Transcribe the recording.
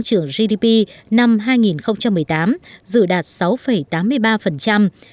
trường đại học kinh tế quốc dân dự báo tăng trưởng gdp năm hai nghìn một mươi tám dự đạt sáu tám mươi ba